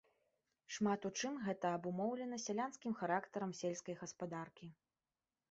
Шмат у чым гэта абумоўлена сялянскім характарам сельскай гаспадаркі.